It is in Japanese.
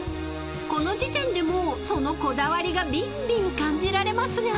［この時点でもうそのこだわりがびんびん感じられますが］